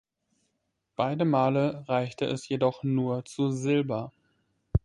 Beide Male reichte es jedoch nur zu Silber.